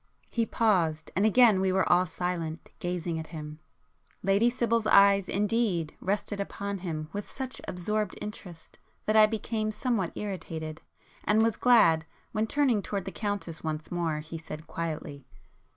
He paused, and again we were all silent, gazing at him. Lady Sibyl's eyes indeed, rested upon him with such absorbed interest, that I became somewhat irritated, and was glad, when turning towards the Countess once more, he said quietly.